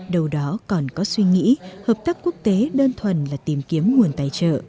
đâu đó còn có suy nghĩ hợp tác quốc tế đơn thuần là tìm kiếm nguồn tài trợ